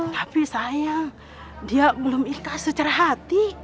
tapi sayang dia belum ikhlas secara hati